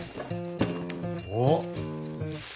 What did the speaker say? おっ。